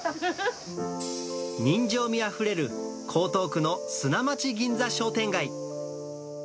人情味あふれる江東区の砂町銀座商店街。